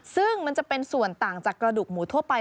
ซึ่งมันจะเป็นส่วนต่างจากกระดูกหมูทั่วไป